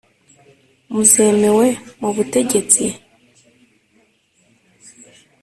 Mu zemewe mu butegetsi.